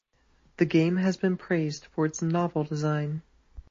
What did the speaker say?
The game has been praised for its novel design.